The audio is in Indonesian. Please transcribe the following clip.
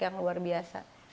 yang luar biasa